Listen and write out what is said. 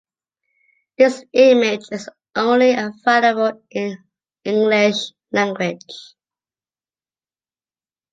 This image is only available in English language.